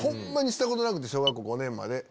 したことなくて小学校５年まで。